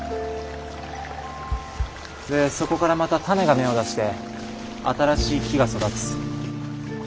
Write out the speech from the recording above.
でそこからまた種が芽を出して新しい木が育つ。